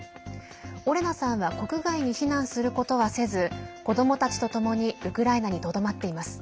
オレナさんは国外に避難することはせず子どもたちとともにウクライナにとどまっています。